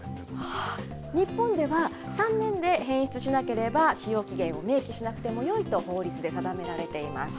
日本では、３年で変質しなければ、使用期限を明記しなくてもよいと法律で定められています。